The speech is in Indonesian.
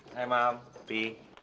hai mam fi